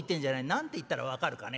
何て言ったら分かるかね